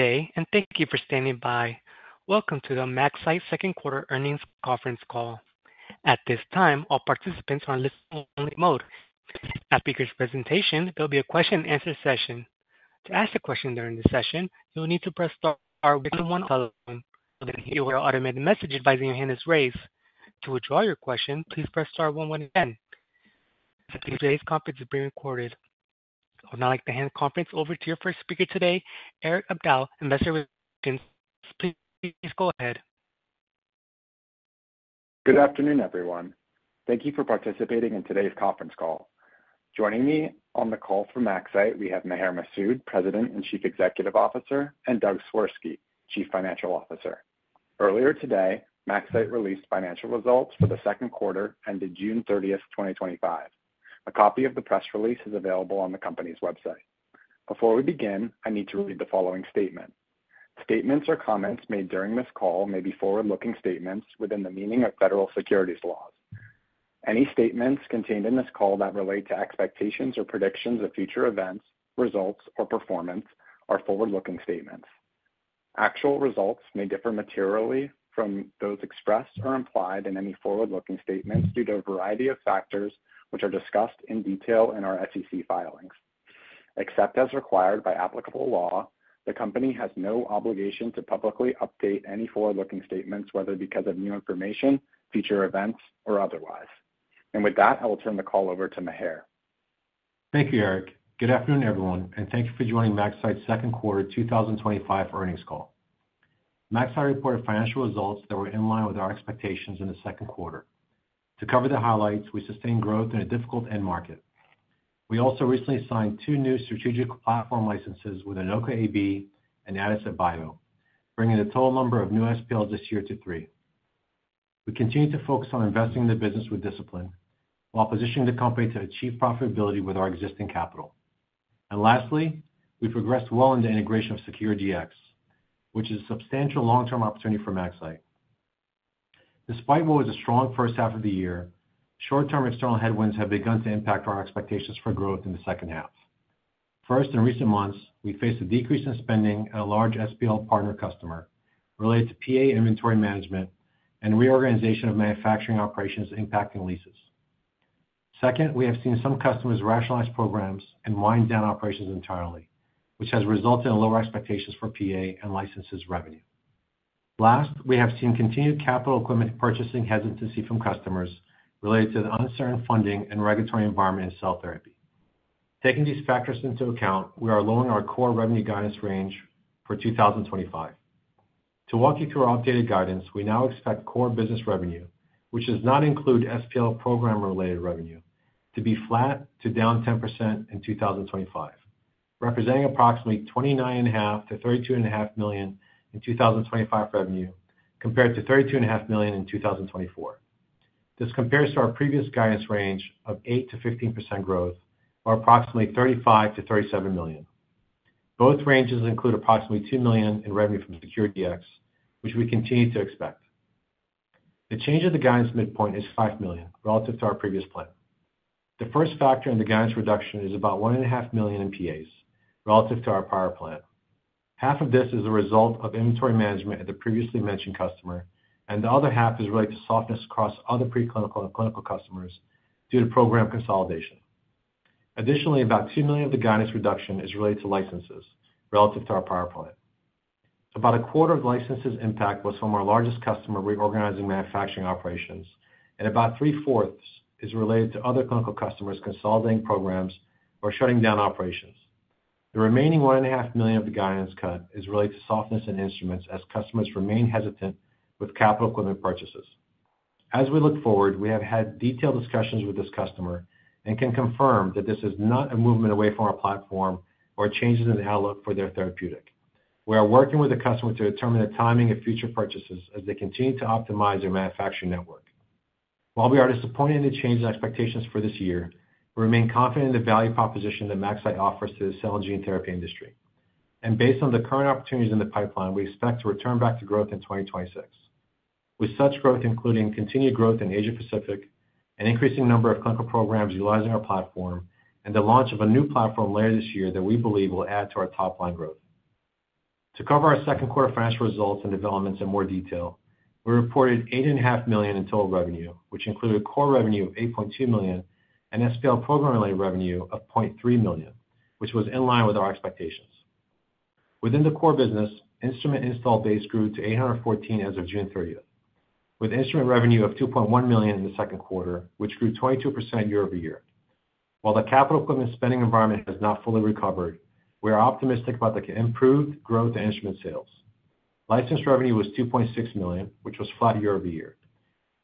Okay, and thank you for standing by. Welcome to the MaxCyte Second Quarter Earnings Conference Call. At this time, all participants are in listen-only mode. After each presentation, there will be a question-and-answer session. To ask a question during the session, you will need to press star one on your telephone, and you will get an automated message advising your hand is raised. To withdraw your question, please press star one when you can. Today's conference is being recorded. I would now like to hand the conference over to your first speaker today, Eric Abdow, Investor Relations. Please go ahead. Good afternoon, everyone. Thank you for participating in today's conference call. Joining me on the call for MaxCyte, we have Maher Masoud, President and Chief Executive Officer, and Doug Swirsky, Chief Financial Officer. Earlier today, MaxCyte released financial results for the second quarter ended June 30, 2025. A copy of the press release is available on the company's website. Before we begin, I need to read the following statement. Statements or comments made during this call may be forward-looking statements within the meaning of federal securities laws. Any statements contained in this call that relate to expectations or predictions of future events, results, or performance are forward-looking statements. Actual results may differ materially from those expressed or implied in any forward-looking statements due to a variety of factors, which are discussed in detail in our SEC filings. Except as required by applicable law, the company has no obligation to publicly update any forward-looking statements whether because of new information, future events, or otherwise. With that, I will turn the call over to Maher. Thank you, Eric. Good afternoon, everyone, and thank you for joining MaxCyte's second quarter 2025 earnings call. MaxCyte reported financial results that were in line with our expectations in the second quarter. To cover the highlights, we sustained growth in a difficult end market. We also recently signed two new Strategic Platform Licenses with Anocca AB and Adicet Bio, bringing the total number of new SPLs this year to three. We continue to focus on investing in the business with discipline while positioning the company to achieve profitability with our existing capital. Lastly, we progressed well into the integration of SeQure DX, which is a substantial long-term opportunity for MaxCyte. Despite what was a strong first half of the year, short-term external headwinds have begun to impact our expectations for growth in the second half. First, in recent months, we faced a decrease in spending and a large SPL partner customer related to PA inventory management and the reorganization of manufacturing operations impacting leases. Second, we have seen some customers rationalize programs and wind down operations entirely, which has resulted in lower expectations for PA and licenses revenue. Last, we have seen continued capital equipment purchasing hesitancy from customers related to the uncertain funding and regulatory environment in cell therapy. Taking these factors into account, we are lowering our core revenue guidance range for 2025. To walk you through our updated guidance, we now expect core business revenue, which does not include SPL program-related revenue, to be flat to down 10% in 2025, representing approximately $29.5 million-$32.5 million in 2025 revenue compared to $32.5 million in 2024. This compares to our previous guidance range of 8%-15% growth, or approximately $35 million-$37 million. Both ranges include approximately $2 million in revenue from SeQure DX, which we continue to expect. The change of the guidance midpoint is $5 million relative to our previous plan. The first factor in the guidance reduction is about $1.5 million in PAs relative to our prior plan. Half of this is the result of inventory management at the previously mentioned customer, and the other half is related to softness across other preclinical and clinical customers due to program consolidation. Additionally, about $2 million of the guidance reduction is related to licenses relative to our prior plan. About a quarter of the license's impact was from our largest customer reorganizing manufacturing operations, and about three-fourths is related to other clinical customers consolidating programs or shutting down operations. The remaining $1.5 million of the guidance cut is related to softness in instruments as customers remain hesitant with capital equipment purchases. As we look forward, we have had detailed discussions with this customer and can confirm that this is not a movement away from our platform or changes in the outlook for their therapeutic. We are working with the customer to determine the timing of future purchases as they continue to optimize their manufacturing network. While we are disappointed in the change in expectations for this year, we remain confident in the value proposition that MaxCyte offers to the cell and gene therapy industry. Based on the current opportunities in the pipeline, we expect to return back to growth in 2026, with such growth including continued growth in Asia-Pacific, an increasing number of clinical programs utilizing our platform, and the launch of a new platform later this year that we believe will add to our top-line growth. To cover our second quarter financial results and developments in more detail, we reported $8.5 million in total revenue, which included core revenue of $8.2 million and SPL program-related revenue of $0.3 million, which was in line with our expectations. Within the core business, instrument install base grew to 814 as of June 30, with instrument revenue of $2.1 million in the second quarter, which grew 22% year-over-year. While the capital equipment spending environment has not fully recovered, we are optimistic about the improved growth in instrument sales. License revenue was $2.6 million, which was flat year-over-year.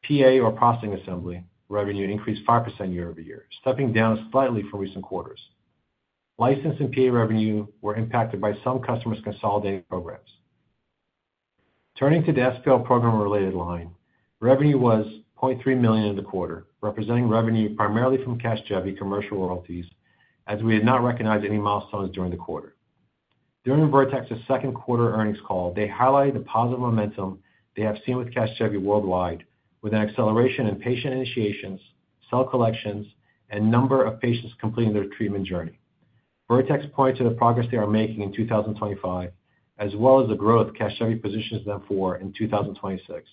PA, or processing assembly, revenue increased 5% year-over-year, stepping down slightly from recent quarters. License and PA revenue were impacted by some customers' consolidated programs. Turning to the SPL program-related line, revenue was $0.3 million in the quarter, representing revenue primarily from CASGEVY commercial royalties, as we did not recognize any milestones during the quarter. During Vertex's second quarter earnings call, they highlighted the positive momentum they have seen with CASGEVY worldwide, with an acceleration in patient initiations, cell collections, and the number of patients completing their treatment journey. Vertex pointed to the progress they are making in 2025, as well as the growth CASGEVY positions them for in 2026.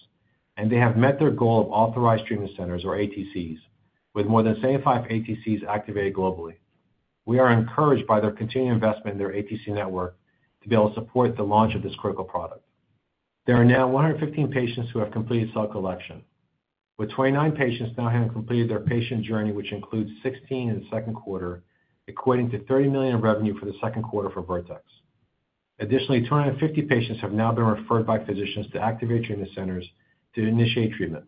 They have met their goal of authorized treatment centers, or ATCs, with more than 75 ATCs activated globally. We are encouraged by their continued investment in their ATC network to be able to support the launch of this critical product. There are now 115 patients who have completed cell collection, with 29 patients now having completed their patient journey, which includes 16 in the second quarter, equating to $30 million in revenue for the second quarter for Vertex. Additionally, 250 patients have now been referred by physicians to activate treatment centers to initiate treatment.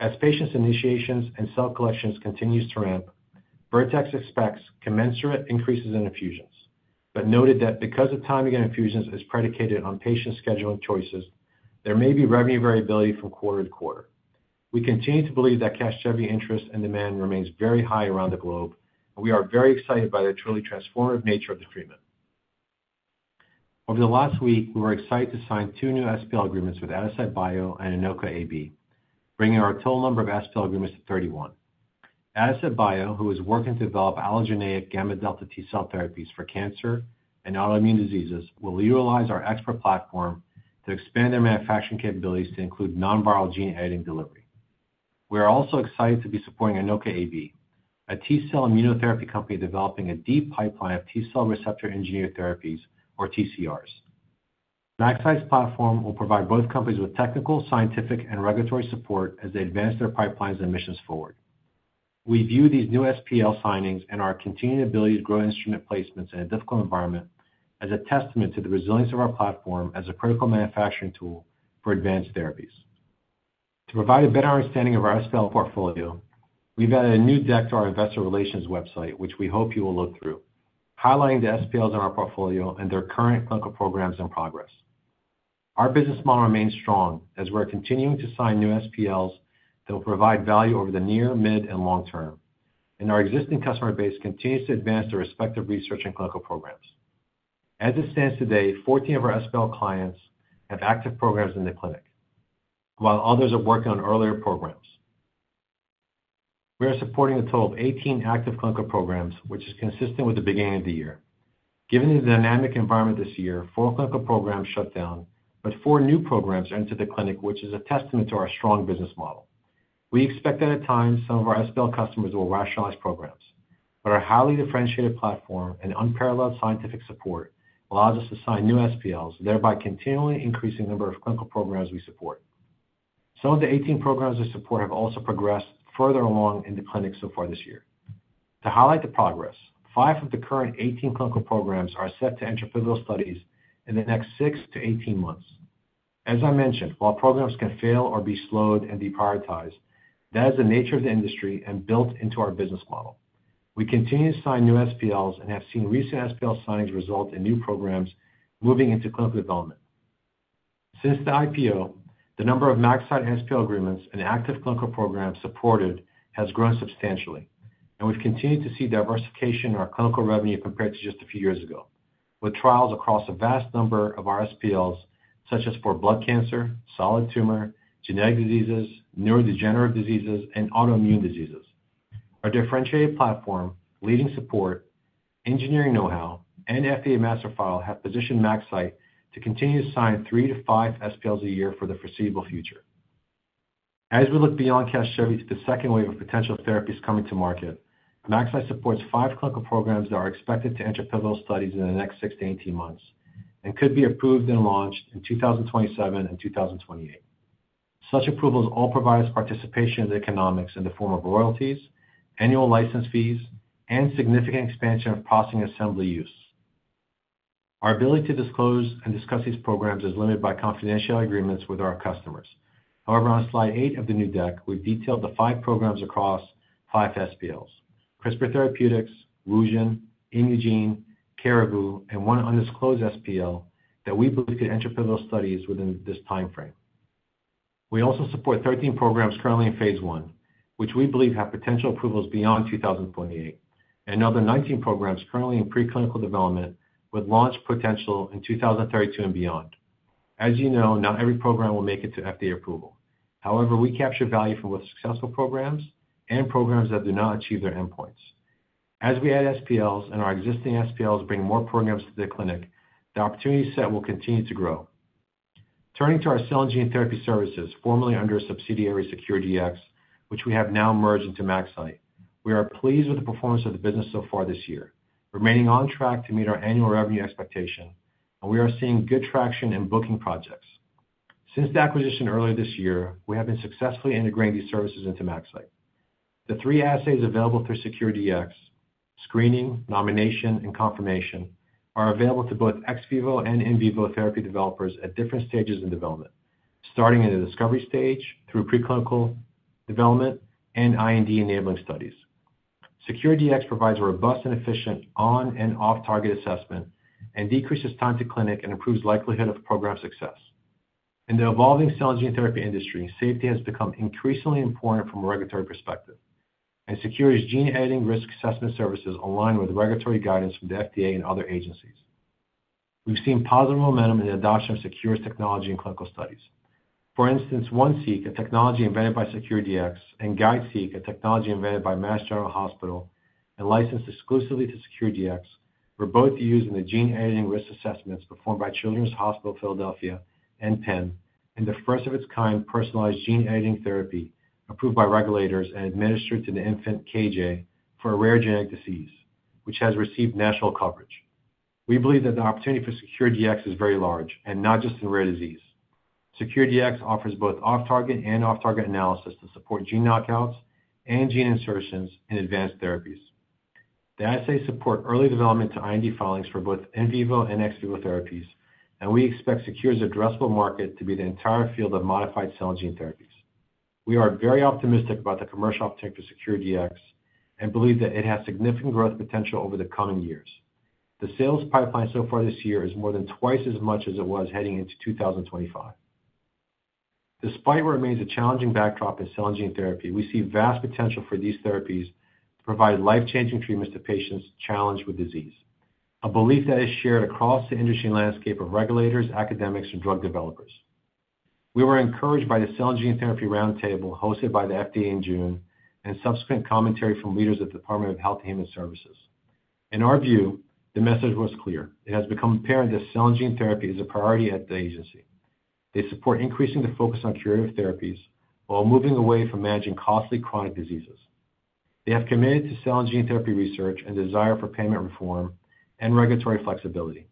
As patients' initiations and cell collections continue to ramp, Vertex expects commensurate increases in infusions, but noted that because the timing of infusions is predicated on patient scheduling choices, there may be revenue variability from quarter to quarter. We continue to believe that CASGEVY interest and demand remain very high around the globe, and we are very excited by the truly transformative nature of the treatment. Over the last week, we were excited to sign two new SPL agreements with Adicet Bio and Anocca AB, bringing our total number of SPL agreements to 31. Adicet Bio, who is working to develop allogeneic gamma-delta T-cell therapies for cancer and autoimmune diseases, will utilize our ExPERT platform to expand their manufacturing capabilities to include non-viral gene editing delivery. We are also excited to be supporting Anocca AB, a T-cell immunotherapy company developing a deep pipeline of T-cell receptor-engineered therapies, or TCRs. MaxCyte's platform will provide both companies with technical, scientific, and regulatory support as they advance their pipelines and missions forward. We view these new SPL findings and our continued ability to grow instrument placements in a difficult environment as a testament to the resilience of our platform as a critical manufacturing tool for advanced therapies. To provide a better understanding of our SPL portfolio, we've added a new deck to our investor relations website, which we hope you will look through, highlighting the SPLs in our portfolio and their current clinical programs in progress. Our business model remains strong as we're continuing to sign new SPLs that will provide value over the near, mid, and long term, and our existing customer base continues to advance their respective research and clinical programs. As it stands today, 14 of our SPL clients have active programs in the clinic, while others are working on earlier programs. We are supporting a total of 18 active clinical programs, which is consistent with the beginning of the year. Given the dynamic environment this year, four clinical programs shut down, but four new programs entered the clinic, which is a testament to our strong business model. We expect that at times some of our SPL customers will rationalize programs, but our highly differentiated platform and unparalleled scientific support allow us to assign new SPLs, thereby continually increasing the number of clinical programs we support. Some of the 18 programs we support have also progressed further along in the clinic so far this year. To highlight the progress, five of the current 18 clinical programs are set to enter pivotal studies in the next 6-18 months. As I mentioned, while programs can fail or be slowed and deprioritized, that is the nature of the industry and built into our business model. We continue to sign new SPLs and have seen recent SPL signings result in new programs moving into clinical development. Since the IPO, the number of MaxCyte SPL agreements and active clinical programs supported has grown substantially, and we've continued to see diversification in our clinical revenue compared to just a few years ago, with trials across a vast number of our SPLs, such as for blood cancer, solid tumor, genetic diseases, neurodegenerative diseases, and autoimmune diseases. Our differentiated platform, leading support, engineering know-how, and FDA master file have positioned MaxCyte to continue to sign 3-5 SPLs a year for the foreseeable future. As we look beyond CASGEVY to the second wave of potential therapies coming to market, MaxCyte supports five clinical programs that are expected to enter pivotal studies in the next 6-18 months and could be approved and launched in 2027 and 2028. Such approvals all provide us participation in the economics in the form of royalties, annual license fees, and significant expansion of processing assembly use. Our ability to disclose and discuss these programs is limited by confidential agreements with our customers. However, on slide eight of the new deck, we've detailed the five programs across five SPLs: CRISPR Therapeutics, Wugen, Imugene, CARGO, and one undisclosed SPL that we believe could enter pivotal studies within this timeframe. We also support 13 programs currently in phase I, which we believe have potential approvals beyond 2028, and another 19 programs currently in preclinical development with launch potential in 2032 and beyond. As you know, not every program will make it to FDA approval. However, we capture value from both successful programs and programs that do not achieve their endpoints. As we add SPLs and our existing SPLs bring more programs to the clinic, the opportunity set will continue to grow. Turning to our cell and gene therapy services, formerly under subsidiary SeQure DX, which we have now merged into MaxCyte, we are pleased with the performance of the business so far this year, remaining on track to meet our annual revenue expectation, and we are seeing good traction in booking projects. Since the acquisition earlier this year, we have been successfully integrating these services into MaxCyte. The three assays available through SeQure DX, screening, nomination, and confirmation, are available to both ex vivo and in vivo therapy developers at different stages in development, starting in the discovery stage through preclinical development and IND-enabling studies. SeQure DX provides a robust and efficient on- and off-target assessment and decreases time to clinic and improves the likelihood of program success. In the evolving cell and gene therapy industry, safety has become increasingly important from a regulatory perspective, and SeQure DX's gene editing risk assessment services align with regulatory guidance from the FDA and other agencies. We've seen positive momentum in the adoption of SeQure DX technology in clinical studies. For instance, ONE-seq, a technology invented by SeQure DX, and GUIDE-seq, a technology invented by Mass General Hospital and licensed exclusively to SeQure DX, were both used in the gene editing risk assessments performed by Children's Hospital of Philadelphia and Penn, and the first of its kind personalized gene editing therapy approved by regulators and administered to the infant KJ for a rare genetic disease, which has received national coverage. We believe that the opportunity for SeQure DX is very large, and not just in rare disease. SeQure DX offers both off-target and on-target analysis to support gene knockouts and gene insertions in advanced therapies. The assays support early development to IND filings for both in vivo and ex vivo therapies, and we expect SeQure's addressable market to be the entire field of modified cell and gene therapies. We are very optimistic about the commercial opportunity for SeQure DX and believe that it has significant growth potential over the coming years. The sales pipeline so far this year is more than twice as much as it was heading into 2025. Despite what remains a challenging backdrop in cell and gene therapy, we see vast potential for these therapies to provide life-changing treatments to patients challenged with disease, a belief that is shared across the industry landscape of regulators, academics, and drug developers. We were encouraged by the Cell and Gene Therapy Roundtable hosted by the FDA in June and subsequent commentary from leaders at the Department of Health and Human Services. In our view, the message was clear. It has become apparent that cell and gene therapy is a priority at the agency. They support increasing the focus on curative therapies while moving away from managing costly chronic diseases. They have committed to cell and gene therapy research and desire for payment reform and regulatory flexibility,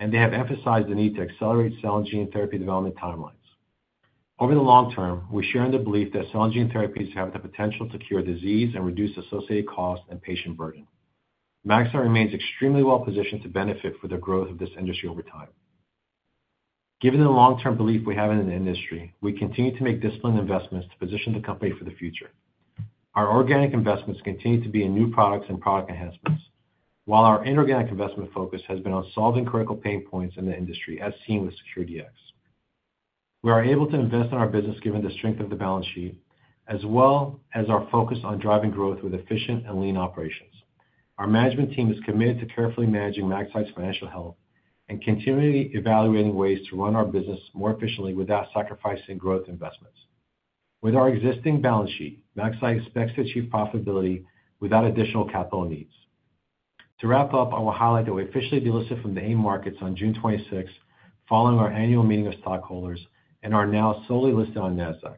and they have emphasized the need to accelerate cell and gene therapy development timelines. Over the long term, we share in the belief that cell and gene therapies have the potential to cure disease and reduce associated cost and patient burden. MaxCyte remains extremely well positioned to benefit from the growth of this industry over time. Given the long-term belief we have in the industry, we continue to make disciplined investments to position the company for the future. Our organic investments continue to be in new products and product enhancements, while our inorganic investment focus has been on solving critical pain points in the industry, as seen with SeQure DX. We are able to invest in our business given the strength of the balance sheet, as well as our focus on driving growth with efficient and lean operations. Our management team is committed to carefully managing MaxCyte's financial health and continually evaluating ways to run our business more efficiently without sacrificing growth investments. With our existing balance sheet, MaxCyte expects to achieve profitability without additional capital needs. To wrap up, I will highlight that we officially delisted from the AIM market on June 26, following our annual meeting of stockholders, and are now solely listed on NASDAQ.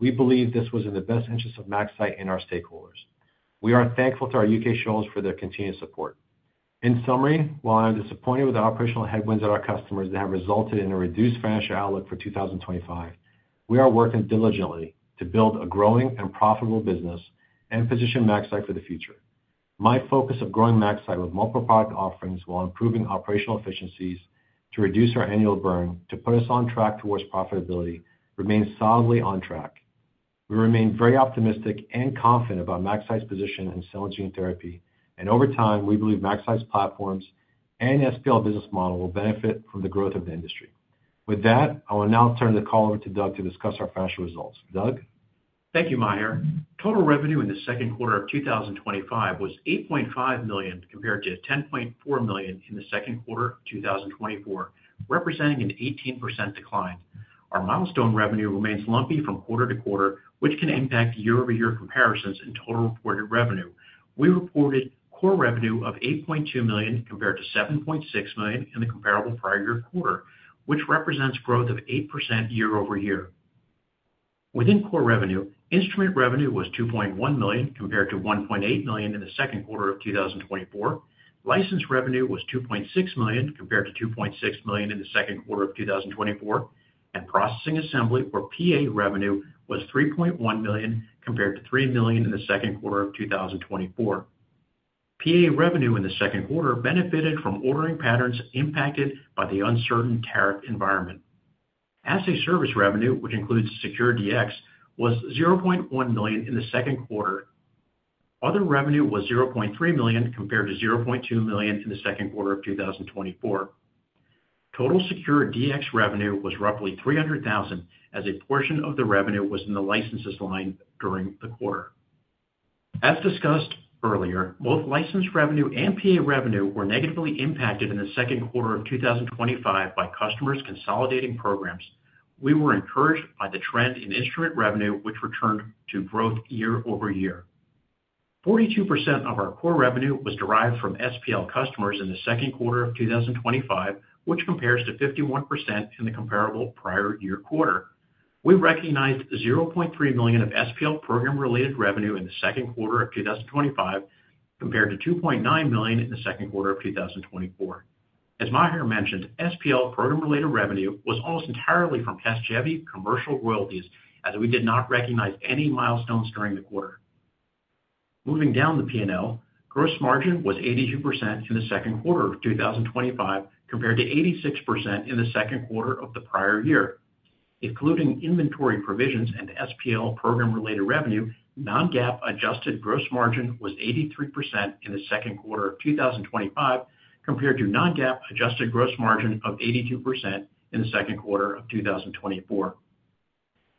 We believe this was in the best interests of MaxCyte and our stakeholders. We are thankful to our U.K. shareholders for their continued support. In summary, while I am disappointed with the operational headwinds at our customers that have resulted in a reduced financial outlook for 2025, we are working diligently to build a growing and profitable business and position MaxCyte for the future. My focus of growing MaxCyte with multiple product offerings while improving operational efficiencies to reduce our annual burn to put us on track towards profitability remains solidly on track. We remain very optimistic and confident about MaxCyte's position in cell and gene therapy, and over time, we believe MaxCyte's platforms and SPL business model will benefit from the growth of the industry. With that, I will now turn the call over to Doug to discuss our financial results. Doug? Thank you, Maher. Total revenue in the second quarter of 2025 was $8.5 million compared to $10.4 million in the second quarter of 2024, representing an 18% decline. Our milestone revenue remains lumpy from quarter to quarter, which can impact year-over-year comparisons in total reported revenue. We reported core revenue of $8.2 million compared to $7.6 million in the comparable prior year quarter, which represents growth of 8% year-over-year. Within core revenue, instrument revenue was $2.1 million compared to $1.8 million in the second quarter of 2024. License revenue was $2.6 million compared to $2.6 million in the second quarter of 2024, and processing assembly or PA revenue was $3.1 million compared to $3 million in the second quarter of 2024. PA revenue in the second quarter benefited from ordering patterns impacted by the uncertain tariff environment. Assay service revenue, which includes SeQure DX, was $0.1 million in the second quarter. Other revenue was $0.3 million compared to $0.2 million in the second quarter of 2024. Total SeQure DX revenue was roughly $300,000, as a portion of the revenue was in the licenses line during the quarter. As discussed earlier, both license revenue and PA revenue were negatively impacted in the second quarter of 2025 by customers consolidating programs. We were encouraged by the trend in instrument revenue, which returned to growth year-over-year. 42% of our core revenue was derived from SPL customers in the second quarter of 2025, which compares to 51% in the comparable prior year quarter. We recognized $0.3 million of SPL program-related revenue in the second quarter of 2025 compared to $2.9 million in the second quarter of 2024. As Maher mentioned, SPL program-related revenue was almost entirely from CASGEVY commercial royalties, as we did not recognize any milestones during the quarter. Moving down the P&L, gross margin was 82% in the second quarter of 2025 compared to 86% in the second quarter of the prior year. Excluding inventory provisions and SPL program-related revenue, non-GAAP adjusted gross margin was 83% in the second quarter of 2025 compared to non-GAAP adjusted gross margin of 82% in the second quarter of 2024.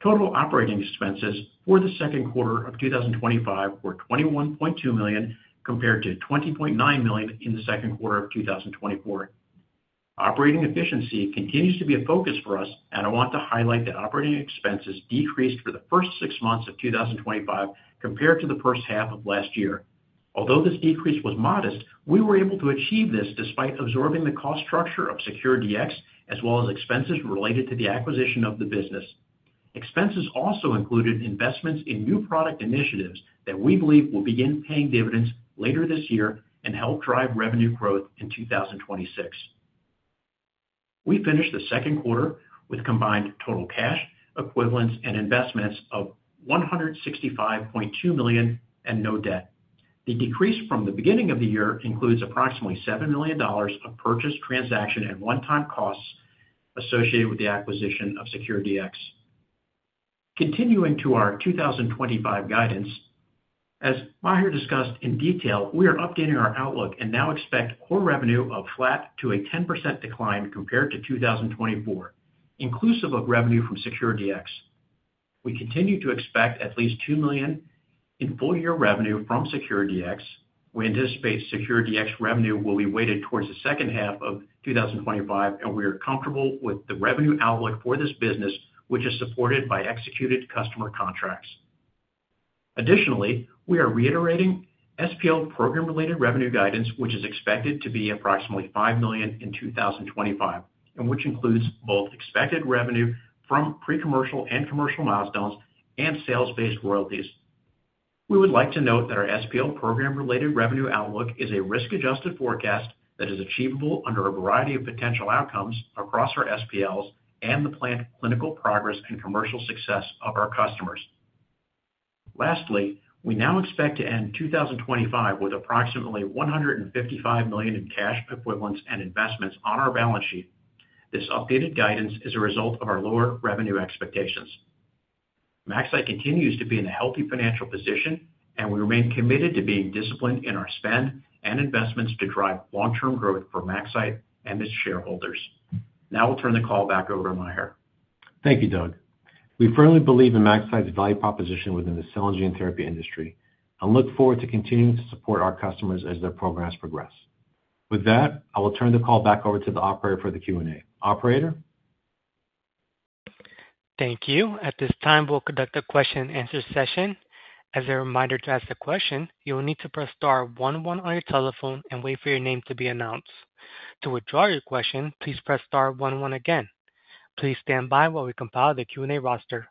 Total operating expenses for the second quarter of 2025 were $21.2 million compared to $20.9 million in the second quarter of 2024. Operating efficiency continues to be a focus for us, and I want to highlight that operating expenses decreased for the first six months of 2025 compared to the first half of last year. Although this decrease was modest, we were able to achieve this despite absorbing the cost structure of SeQure DX as well as expenses related to the acquisition of the business. Expenses also included investments in new product initiatives that we believe will begin paying dividends later this year and help drive revenue growth in 2026. We finished the second quarter with combined total cash equivalents and investments of $165.2 million and no debt. The decrease from the beginning of the year includes approximately $7 million of purchase transaction and one-time costs associated with the acquisition of SeQure DX. Continuing to our 2025 guidance, as Maher discussed in detail, we are updating our outlook and now expect core revenue of flat to a 10% decline compared to 2024, inclusive of revenue from SeQure DX. We continue to expect at least $2 million in full-year revenue from SeQure DX. We anticipate SeQure DX revenue will be weighted towards the second half of 2025, and we are comfortable with the revenue outlook for this business, which is supported by executed customer contracts. Additionally, we are reiterating SPL program-related revenue guidance, which is expected to be approximately $5 million in 2025, and which includes both expected revenue from pre-commercial and commercial milestones and sales-based royalties. We would like to note that our SPL program-related revenue outlook is a risk-adjusted forecast that is achievable under a variety of potential outcomes across our SPLs and the planned clinical progress and commercial success of our customers. Lastly, we now expect to end 2025 with approximately $155 million in cash equivalents and investments on our balance sheet. This updated guidance is a result of our lower revenue expectations. MaxCyte continues to be in a healthy financial position, and we remain committed to being disciplined in our spend and investments to drive long-term growth for MaxCyte and its shareholders. Now I'll turn the call back over to Maher. Thank you, Doug. We firmly believe in MaxCyte's value proposition within the cell and gene therapy industry and look forward to continuing to support our customers as their programs progress. With that, I will turn the call back over to the operator for the Q&A. Operator? Thank you. At this time, we'll conduct a question-and-answer session. As a reminder, to ask a question, you'll need to press star one-one on your telephone and wait for your name to be announced. To withdraw your question, please press star one-one again. Please stand by while we compile the Q&A roster.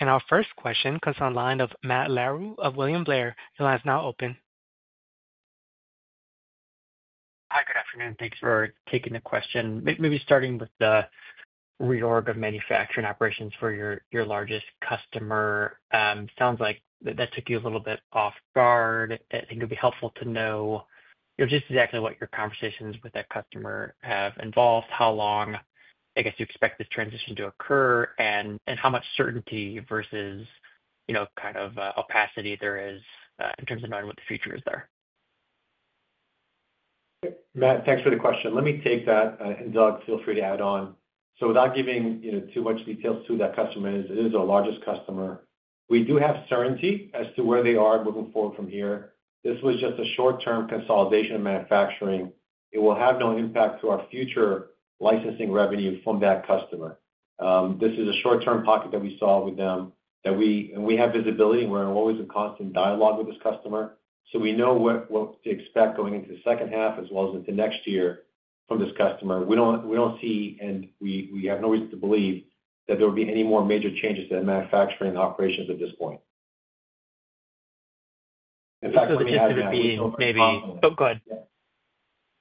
Our first question comes from the line of Matt Larew of William Blair, who has now opened. Hi, good afternoon. Thanks for taking the question. Maybe starting with the reorg of manufacturing operations for your largest customer, it sounds like that took you a little bit off guard. I think it'd be helpful to know just exactly what your conversations with that customer have involved, how long you expect this transition to occur, and how much certainty versus kind of opacity there is in terms of knowing what the future is there. Matt, thanks for the question. Let me take that, and Doug, feel free to add on. Without giving too much detail to who that customer is, it is our largest customer. We do have certainty as to where they are moving forward from here. This was just a short-term consolidation of manufacturing. It will have no impact to our future licensing revenue from that customer. This is a short-term pocket that we saw with them that we have visibility and we're always in constant dialogue with this customer. We know what to expect going into the second half as well as with the next year from this customer. We don't see, and we have no reason to believe that there will be any more major changes to the manufacturing and operations at this point. In fact, the gist of it being maybe... go ahead.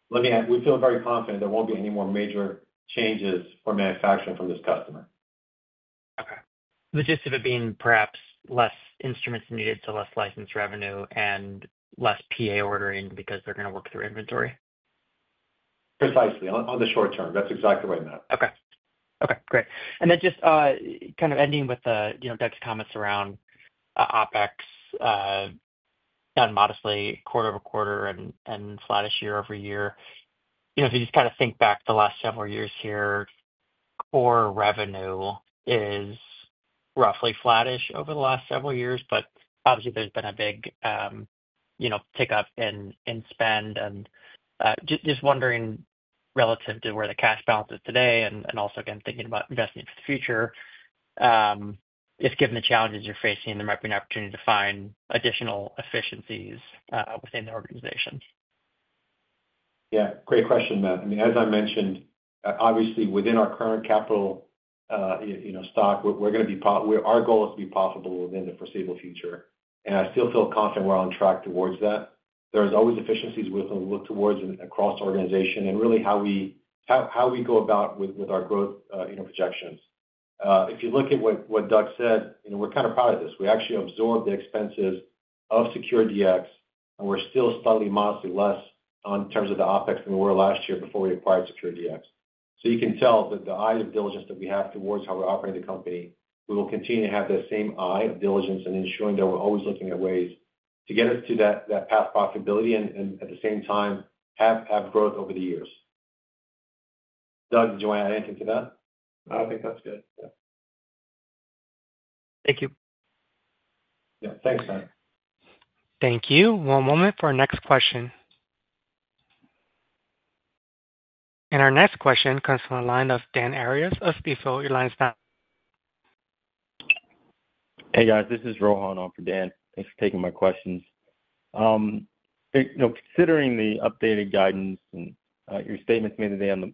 Let me add, we feel very confident there won't be any more major changes for manufacturing from this customer. Okay. The gist of it being perhaps less instruments needed, less license revenue, and less PA ordering because they're going to work through inventory. Precisely. On the short term, that's exactly right, Matt. Okay, great. And then just kind of ending with, you know, Doug's comments around OpEx and modestly quarter-over-quarter and flat-ish year-over-year. If you just kind of think back to the last several years here, core revenue is roughly flat-ish over the last several years, but obviously there's been a big pickup in spend. Just wondering relative to where the cash balance is today and also again thinking about investing for the future, just given the challenges you're facing, there might be an opportunity to find additional efficiencies within the organization. Yeah, great question, Matt. I mean, as I mentioned, obviously within our current capital, you know, stock, we're going to be... our goal is to be profitable within the foreseeable future. I still feel confident we're on track towards that. There's always efficiencies we look towards across the organization and really how we go about with our growth projections. If you look at what Doug said, you know, we're kind of proud of this. We actually absorbed the expenses of SeQure DX, and we're still slightly modestly less in terms of the OpEx than we were last year before we acquired SeQure DX. You can tell that the eyes of diligence that we have towards how we're operating the company, we will continue to have the same eye of diligence and ensuring that we're always looking at ways to get us to that profitability and at the same time have growth over the years. Doug, would you want to add anything to that? I think that's good, yeah. Thank you. Yeah, thanks, Matt. Thank you. One moment for our next question. Our next question comes from a line of Dan Arias of BTIG. Hey guys, this is Rohan on for Dan. Thanks for taking my questions. Considering the updated guidance and your statements made today on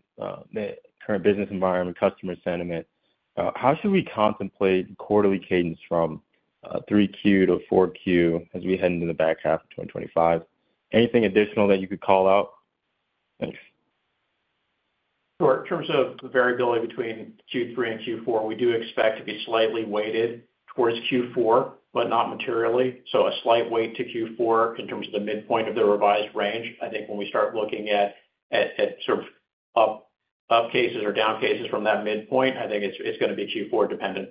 the current business environment, customer sentiment, how should we contemplate quarterly cadence from 3Q to 4Q as we head into the back half of 2025? Anything additional that you could call out? Sure. In terms of the variability between Q3 and Q4, we do expect to be slightly weighted towards Q4, but not materially. A slight weight to Q4 in terms of the midpoint of the revised range. I think when we start looking at sort of up cases or down cases from that midpoint, I think it's going to be Q4 dependent.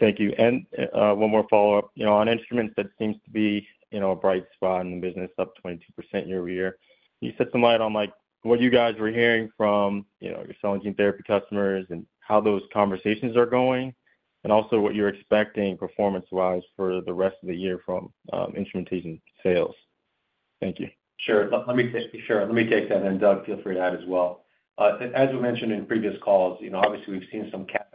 Thank you. One more follow-up on instruments, that seems to be a bright spot in the business, up 22% year-over-year. Can you shed some light on what you guys were hearing from your cell and gene therapy customers and how those conversations are going? Also, what you're expecting performance-wise for the rest of the year from instrumentation sales? Thank you. Sure. Let me take that. Doug, feel free to add as well. As we mentioned in previous calls, obviously we've seen some cap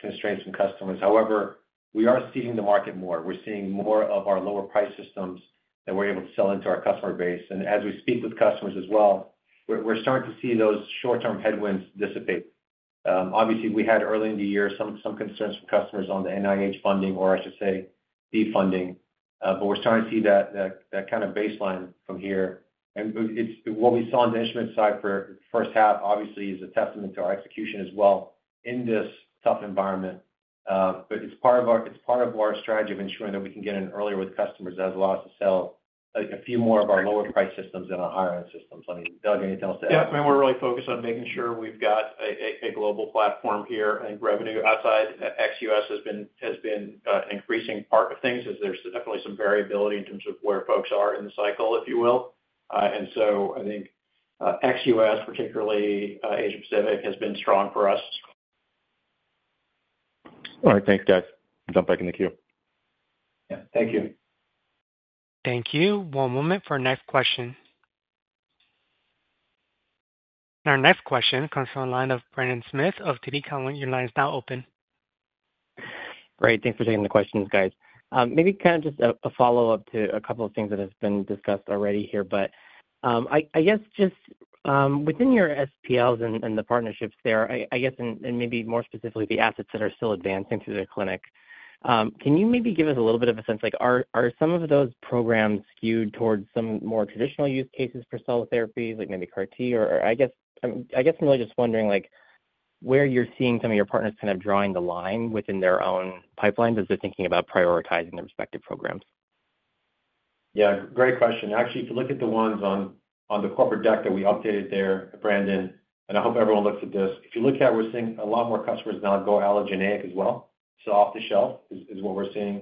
constraints from customers. However, we are seeing the market more. We're seeing more of our lower price systems that we're able to sell into our customer base. As we speak with customers as well, we're starting to see those short-term headwinds dissipate. We had early in the year some concerns from customers on the NIH funding, or I should say, the funding. We're starting to see that kind of baseline from here. What we saw on the instrument side for the first half is a testament to our execution as well in this tough environment. It's part of our strategy of ensuring that we can get in earlier with customers that have a lot to sell, a few more of our lower price systems than our higher-end systems. Doug, anything else to add? Yeah. I mean. We're really focused on making sure we've got a global platform here. I think revenue outside the U.S. has been an increasing part of things, as there's definitely some variability in terms of where folks are in the cycle, if you will. I think the U.S., particularly Asia-Pacific, has been strong for us. All right, thanks guys. I'll jump back in the queue. Thank you. Thank you. One moment for our next question. Our next question comes from the line of Brendan Smith of TD Cowen. Your line is now open. Great, thanks for taking the questions, guys. Maybe kind of just a follow-up to a couple of things that have been discussed already here. Within your SPLs and the partnerships there, and maybe more specifically the assets that are still advancing through the clinic, can you maybe give us a little bit of a sense? Are some of those programs skewed towards some more traditional use cases for cell therapies, like maybe CAR-T? I'm really just wondering where you're seeing some of your partners kind of drawing the line within their own pipelines as they're thinking about prioritizing their respective programs. Yeah, great question. Actually, if you look at the ones on the corporate deck that we updated there, Brendan, and I hope everyone looks at this, if you look at it, we're seeing a lot more customers now go allogeneic as well. Off the shelf is what we're seeing.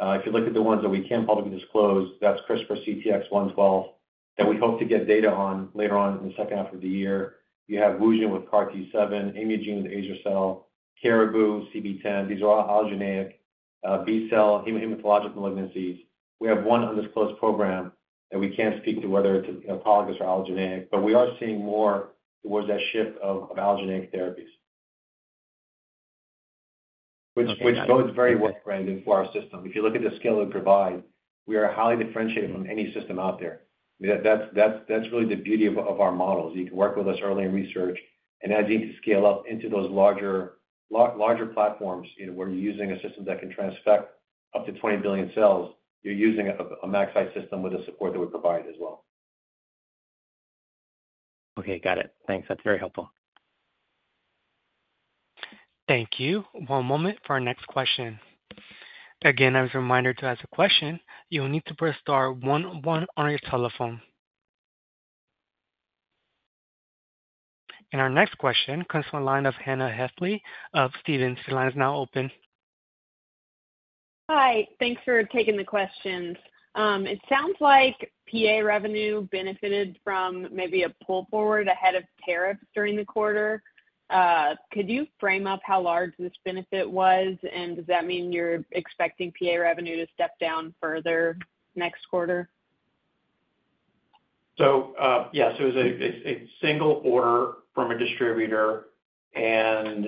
If you look at the ones that we can't publicly disclose, that's CRISPR CTX112, that we hope to get data on later on in the second half of the year. You have Wugen with CAR-T7, Imugene with AsiaCell, CARGO, CB10. These are all allogeneic B-cell hematologic malignancies. We have one undisclosed program that we can't speak to whether it's autologous or allogeneic, but we are seeing more towards that shift of allogeneic therapies, which is very worth, Brendan, for our system. If you look at the scale it would provide, we are highly differentiated from any system out there. That's really the beauty of our models. You can work with us early in research and as you need to scale up into those larger platforms, you know, where you're using a system that can transfect up to 20 billion cells, you're using a MaxCyte system with the support that we provide as well. Okay, got it. Thanks. That's very helpful. Thank you. One moment for our next question. Again, I was reminded to ask a question, you'll need to press star one-one on your telephone. Our next question comes from a line of Hannah Hefley of Stephens. Your line is now open. Hi, thanks for taking the questions. It sounds like PA revenue benefited from maybe a pull forward ahead of tariff during the quarter. Could you frame up how large this benefit was, and does that mean you're expecting PA revenue to step down further next quarter? Yes, it was a single order from a distributor, and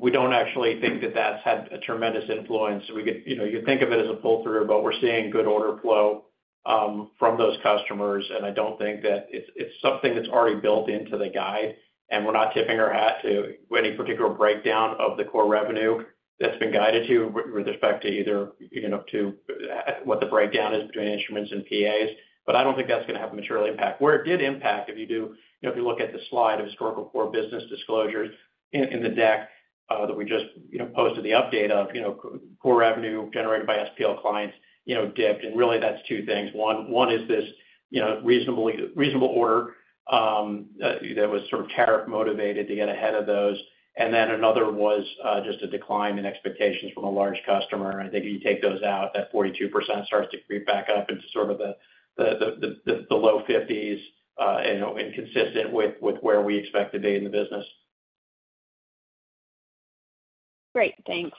we don't actually think that that's had a tremendous influence. You could think of it as a pull-through, but we're seeing good order flow from those customers, and I don't think that it's something that's already built into the guide, and we're not tipping our hat to any particular breakdown of the core revenue that's been guided to with respect to either, you know, to what the breakdown is between instruments and PAs. I don't think that's going to have a material impact. Where it did impact, if you look at the slide of historical core business disclosures in the deck that we just posted the update of, core revenue generated by SPL clients dipped. That's two things. One is this reasonable order that was sort of tariff-motivated to get ahead of those. Another was just a decline in expectations from a large customer. I think if you take those out, that 42% starts to creep back up into the low 50% and consistent with where we expect to be in the business. Great, thanks.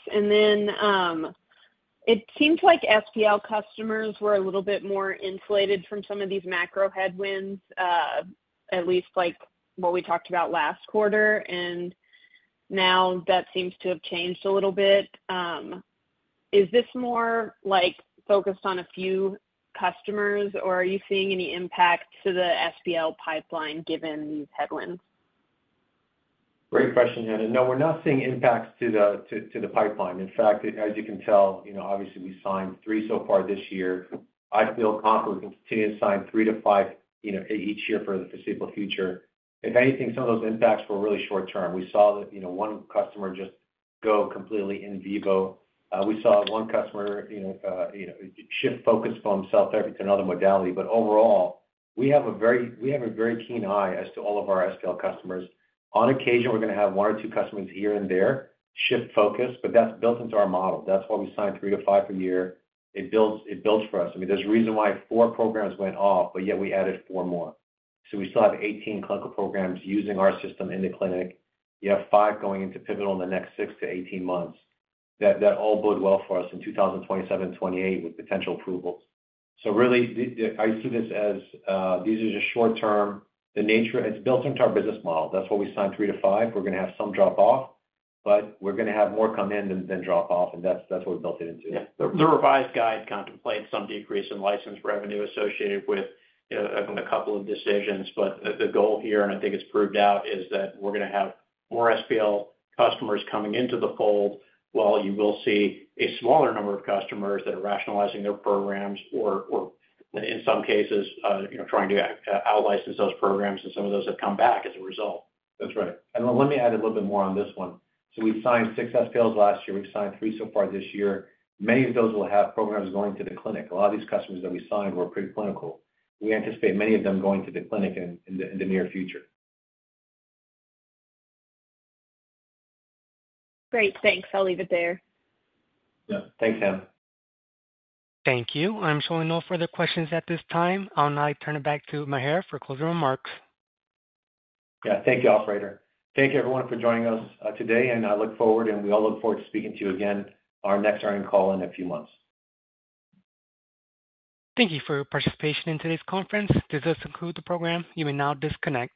It seemed like SPL customers were a little bit more insulated from some of these macro headwinds, at least like what we talked about last quarter, and now that seems to have changed a little bit. Is this more focused on a few customers, or are you seeing any impact to the SPL pipeline given these headwinds? Great question, Hannah. No, we're not seeing impacts to the pipeline. In fact, as you can tell, obviously we signed three so far this year. I feel confident we can continue to sign 3-5 each year for the foreseeable future. If anything, some of those impacts were really short-term. We saw that one customer just go completely in vivo. We saw one customer shift focus from cell therapy to another modality. Overall, we have a very keen eye as to all of our SPL customers. On occasion, we're going to have one or two customers here and there shift focus, but that's built into our model. That's why we sign 3-5 per year. It builds for us. There's a reason why four programs went off, but yet we added four more. We still have 18 clinical programs using our system in the clinic. You have five going into pivotal in the next 6-8 months. That all bodes well for us in 2027-2028 with potential approvals. I see this as these are just short-term. The nature of it's built into our business model. That's why we sign three to five. We're going to have some drop off, but we're going to have more come in than drop off, and that's what we built it into. The revised guide contemplates some decrease in license revenue associated with a couple of decisions. The goal here, and I think it's proved out, is that we're going to have more SPL customers coming into the fold, while you will see a smaller number of customers that are rationalizing their programs or, in some cases, trying to out-license those programs, and some of those have come back as a result. That's right. Let me add a little bit more on this one. We've signed six SPLs last year, and we've signed three so far this year. Many of those will have programs going to the clinic. A lot of these customers that we signed were preclinical. We anticipate many of them going to the clinic in the near future. Great, thanks. I'll leave it there. Thanks, Hannah. Thank you. I'm showing no further questions at this time. I'll now turn it back to Maher for closing remarks. Thank you, Operator. Thank you, everyone, for joining us today. I look forward, and we all look forward to speaking to you again on our next hiring call in a few months. Thank you for your participation in today's conference. This does conclude the program. You may now disconnect.